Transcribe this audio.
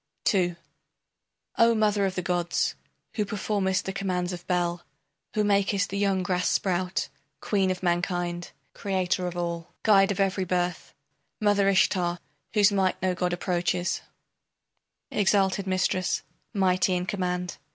II O mother of the gods, who performest the commands of Bel, Who makest the young grass sprout, queen of mankind, Creator of all, guide of every birth, Mother Ishtar, whose might no god approaches, Exalted mistress, mighty in command!